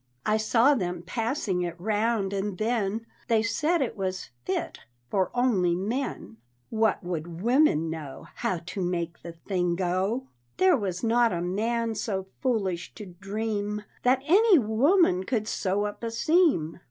"I saw them passing it round, and then They said it was fit for only men! What woman would know How to make the thing go? There was not a man so foolish to dream That any woman could sew up a seam!"